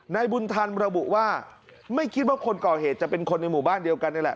นายบุญธรรมระบุว่าไม่คิดว่าคนก่อเหตุจะเป็นคนในหมู่บ้านเดียวกันนี่แหละ